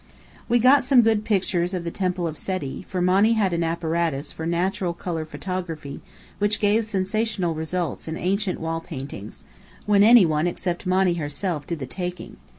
We got some good pictures of the temple of Seti, for Monny had an apparatus for natural colour photography which gave sensational results in ancient wall paintings when any one except Monny herself did the taking.